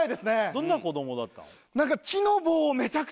どんな子供だったの？